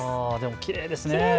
きれいですね。